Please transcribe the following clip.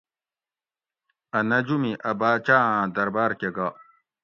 اۤ نجومی اۤ باچاۤ آۤں دربار کہ گا